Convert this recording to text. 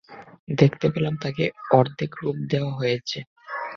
দেখতে পেলাম, তাকে অর্ধেক রূপ দেয়া হয়েছে।